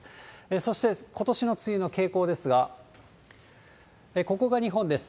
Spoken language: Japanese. そして、ことしの梅雨の傾向ですが、ここが日本です。